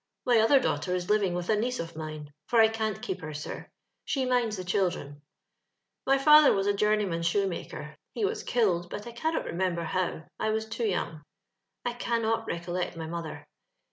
My other daughter is living with a niece of mine, for I can't keep her, sir ; she minds the children. " My nther was a journeyman shoemaker. He was killed ; but I cannot remember how — I was too young. I eun't recollect my mother.